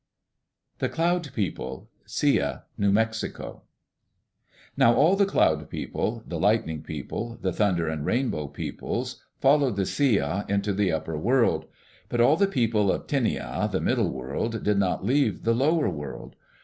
The Cloud People Sia (New Mexico) Now all the Cloud People, the Lightning People, the Thunder and Rainbow Peoples followed the Sia into the upper world. But all the people of Tinia, the middle world, did not leave the lower world.